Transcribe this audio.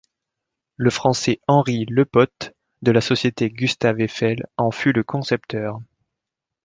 Le français Henry Lepaute de la société Gustave Eiffel en fut le concepteur.